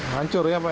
hancur ya pak